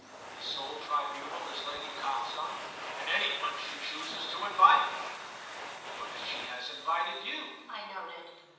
"The sole tribunal is Lady Coxon?" "And any one she chooses to invite." "But she has invited you," I noted.